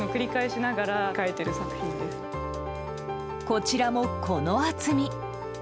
こちらもこの厚み。